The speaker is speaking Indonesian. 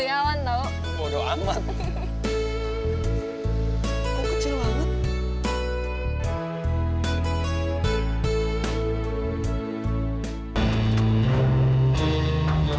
jangan sok imut mulutnya